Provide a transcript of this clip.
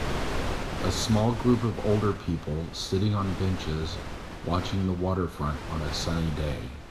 A small group of older people sitting on benches watching the waterfront on a sunny day.